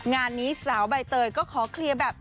งานนี้สาวใบเตยก็ขอเคลียร์แบบ